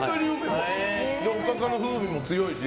おかかの風味も強いし。